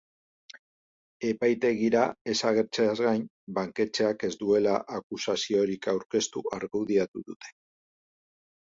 Epaitegira ez agertzeaz gain, banketxeak ez duela akusaziorik aurkeztu argudiatu dute.